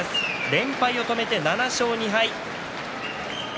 連敗を止めて７勝２敗。